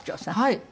はい。